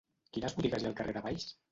Quines botigues hi ha al carrer de Valls?